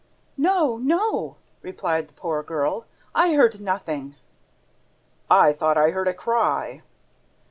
"No, no," replied the poor girl. "I heard nothing." "I thought I heard a cry."